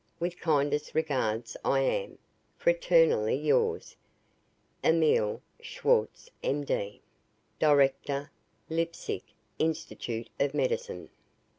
"With kindest regards, I am, "Fraternally yours, "EMIL SCHWARZ, M. D., "Director, Leipsic Institute of Medicine."